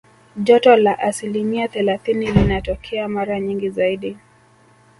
Joto la asilimia thelathini linatokea mara nyingi zaidi